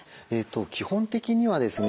基本的にはですね